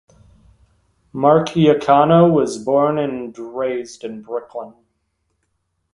Mark Iacono was born and raised Brooklyn.